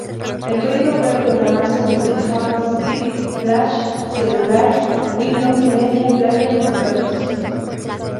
El código puede programarse desde: JavaScript, Flash, Silverlight y Windows Media Player entre otros.